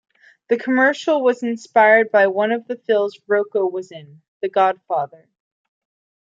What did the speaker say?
The commercial was inspired by one of the films Rocco was in: "The Godfather".